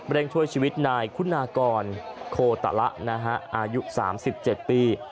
เร่งช่วยชีวิตนายคุณากรโคตระนะฮะอายุสามสิบเจ็ดปี